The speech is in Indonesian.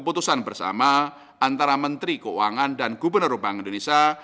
keputusan bersama antara menteri keuangan dan gubernur bank indonesia